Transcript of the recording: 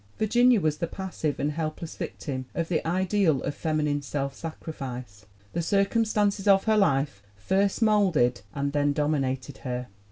Virginia was the passive and helpless victim of the ideal of feminine self sacrifice. The circumstances of her life first molded and then dominated her.